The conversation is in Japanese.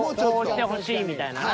こうしてほしいみたいなな。